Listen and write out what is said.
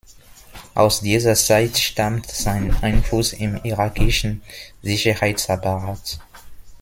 Aus dieser Zeit stammt sein Einfluss im irakischen Sicherheitsapparat.